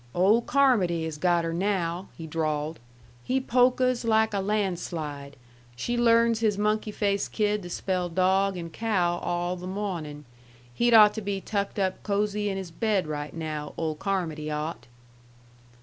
"Old Carmody has got her now," he drawled. "He polkas like a landslide. She learns his monkey faced kid to spell dog and cow all the mawnin'. He'd ought to be tucked up cosey in his bed right now, old Carmody ought."